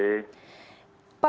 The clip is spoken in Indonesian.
ya selamat sore